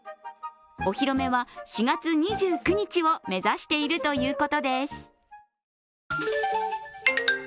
お披露目は、４月２９日を目指しているということです。